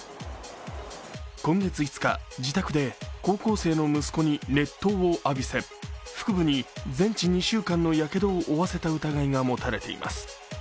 今月５日、自宅で高校生の息子に熱湯を浴びせ、腹部に全治２週間のやけどを負わせた疑いがもたれています。